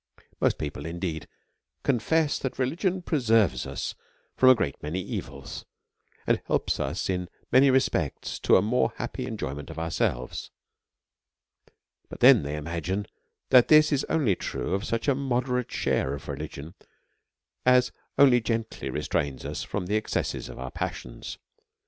Most people^ indeed, confess that religion preserves us from a great many evils, and helps us, in many re spects, to a more happy enjoyment of ourselves ; but then they imagine tliat (his is only true of such a mo derate share of religion as only gently restrains us from the excesses of our passions.